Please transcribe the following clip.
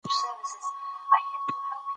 موږ باید دا تاریخ هېر نه کړو.